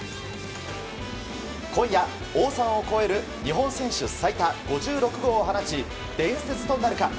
今夜、王さんを超える日本選手最多５６号を放ち伝説となるか。